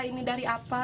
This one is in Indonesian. ini dari apa